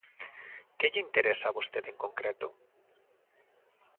Que lle interesa a vostede en concreto?